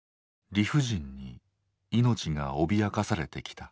理不尽に命が脅かされてきた。